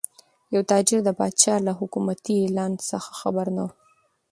یو تاجر د پادشاه له حکومتي اعلان څخه ناخبره و.